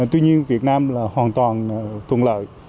tuy nhiên việt nam là hoàn toàn thuận lợi